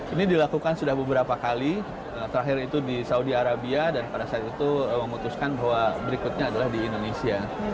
ini dilakukan sudah beberapa kali terakhir itu di saudi arabia dan pada saat itu memutuskan bahwa berikutnya adalah di indonesia